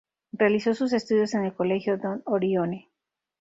Realizó sus estudios en el Colegio Don Orione.